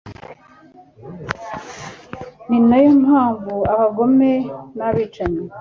ni na yo mpamvu abagome n’abicanyi